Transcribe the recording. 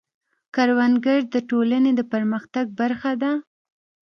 کروندګر د ټولنې د پرمختګ برخه دی